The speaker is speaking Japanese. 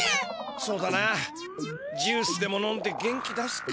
そうだなジュースでも飲んで元気出すか。